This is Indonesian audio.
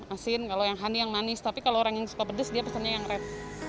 asin kalau yang honey yang manis tapi kalau orang yang suka pedes dia pesannya yang red